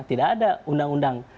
tidak ada undang undang